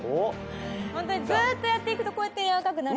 ホントにずっとやっていくとこうやってやわらかくなる。